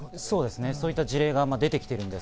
そういった事例が出てきています。